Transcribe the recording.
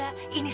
aku mau pergi